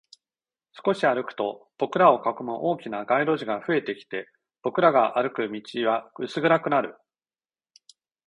少し歩くと、僕らを囲む大きな街路樹が増えてきて、僕らが歩く道は薄暗くなる